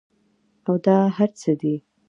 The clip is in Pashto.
او دا هر څۀ دي